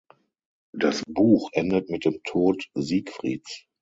Das Buch endet mit dem Tod Siegfrieds.